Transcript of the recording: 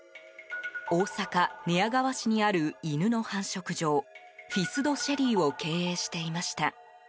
大阪・寝屋川市にある犬の繁殖場フィスドシェリーを経営していました。